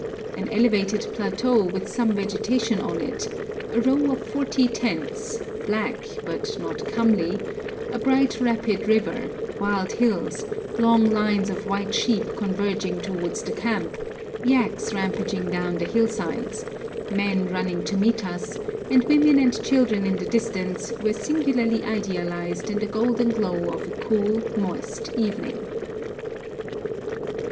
An elevated plateau with some vegetation on it, a row of forty tents, 'black' but not 'comely,' a bright rapid river, wild hills, long lines of white sheep converging towards the camp, yaks rampaging down the hillsides, men running to meet us, and women and children in the distance were singularly idealised in the golden glow of a cool, moist evening.